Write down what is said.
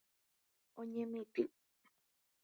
Oñemitỹ.